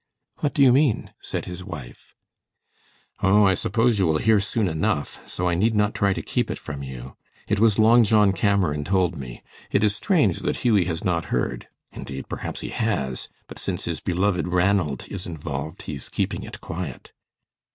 "What do you mean?" said his wife. "Oh, I suppose you will hear soon enough, so I need not try to keep it from you. It was Long John Cameron told me. It is strange that Hughie has not heard. Indeed, perhaps he has, but since his beloved Ranald is involved, he is keeping it quiet."